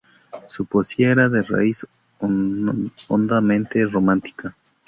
Su poesía era de raíz hondamente romántica.